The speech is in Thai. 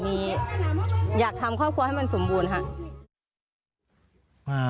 มีอยากทำครอบครัวให้มันสมบูรณ์ค่ะ